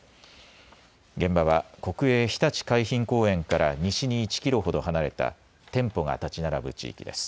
現場は国営ひたち海浜公園から西に１キロほど離れた店舗が建ち並ぶ地域です。